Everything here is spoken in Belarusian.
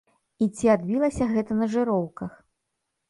І ці адбілася гэта на жыроўках?